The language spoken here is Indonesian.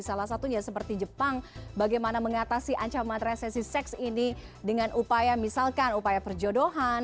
salah satunya seperti jepang bagaimana mengatasi ancaman resesi seks ini dengan upaya misalkan upaya perjodohan